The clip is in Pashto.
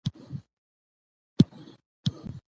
سهار وختي پاڅېدو. عمه مې لاس ونیو او ویې ویل:راشه